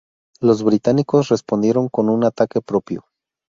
Los británicos respondieron con un ataque propio.